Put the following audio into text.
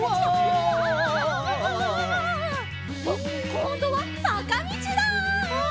こんどはさかみちだ！